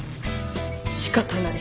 仕方ない。